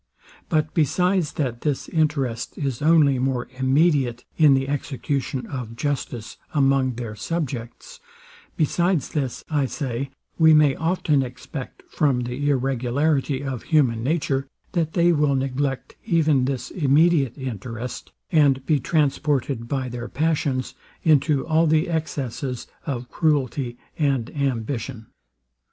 But besides that this interest is only more immediate in the execution of justice among their subjects; besides this, I say, we may often expect, from the irregularity of human nature, that they will neglect even this immediate interest, and be transported by their passions into all the excesses of cruelty and ambition..